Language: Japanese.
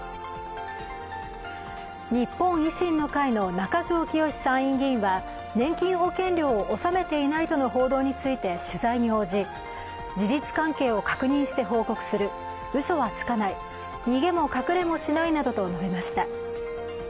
日本維新の会の中条きよし参院議員は年金保険料を納めていないとの報道について取材に応じ事実関係を確認して報告するうそはつかない逃げも隠れもしないなどと述べました。